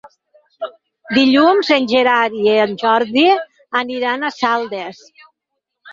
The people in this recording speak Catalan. Dilluns en Gerard i en Jordi aniran a Saldes.